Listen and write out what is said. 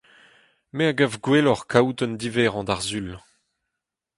Me a gav gwelloc’h kaout un diverrañ d’ar Sul.